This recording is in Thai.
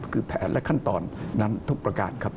คือแผนและขั้นตอนนั้นทุกประการครับ